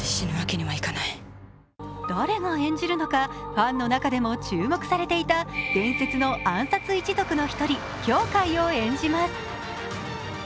誰が演じるのかファンの中でも注目されていた伝説の暗殺一族の１人羌カイを演じます。